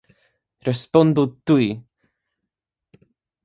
Respondu tuj!